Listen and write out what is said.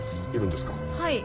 はい。